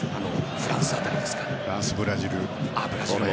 フランス、ブラジル。